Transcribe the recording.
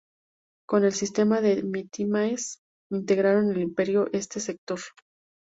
Con el sistema de mitimaes integraron al imperio este sector.